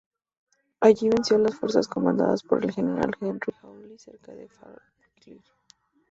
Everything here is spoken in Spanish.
Allí vencieron a las fuerzas comandadas por el general Henry Hawley cerca de Falkirk.